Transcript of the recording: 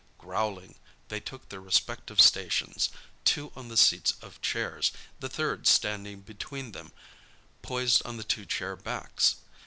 Growling, they took their respective stations—two on the seats of chairs, the third standing between them, poised on the two chair backs.